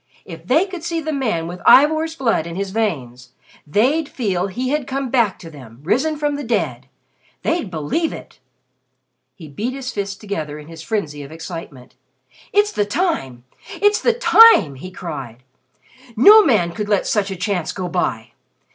If they could see the man with Ivor's blood in his veins, they'd feel he had come back to them risen from the dead. They'd believe it!" He beat his fists together in his frenzy of excitement. "It's the time! It's the time!" he cried. "No man could let such a chance go by!